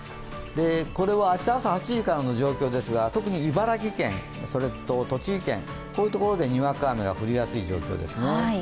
これは明日朝８時からの状況ですが特に茨城県、それと栃木県、こういうところでにわか雨が降りやすい状況ですね。